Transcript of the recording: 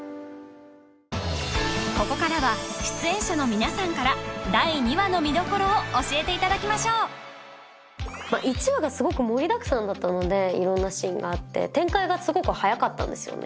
ここからは出演者の皆さんから第２話の見どころを教えていただきましょう１話がすごく盛りだくさんだったので色んなシーンがあって展開がすごく速かったんですよね